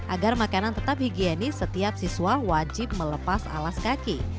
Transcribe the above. agar makanan tetap higienis setiap siswa wajib melepas alas kaki